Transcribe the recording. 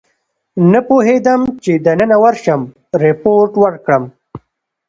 نه پوهېدم چې دننه ورشم ریپورټ ورکړم.